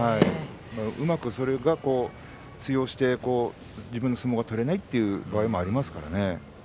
うまくそれが通用して自分の相撲が取れないという場合もありますからね。